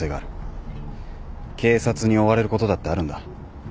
警察に追われることだってあるんだ。